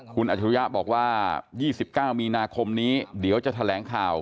คุณอัจฉริยะบอกว่า๒๙มีนาคมนี้เดี๋ยวจะแถลงข่าว